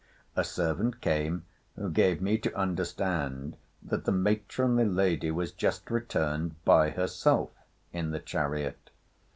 A servant came, who gave me to understand that the matronly lady was just returned by herself in the chariot.